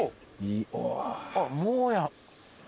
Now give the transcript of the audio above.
もうや。